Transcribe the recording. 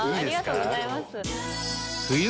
ありがとうございます！